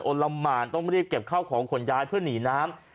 ละหมานต้องรีบเก็บข้าวของขนย้ายเพื่อหนีน้ำ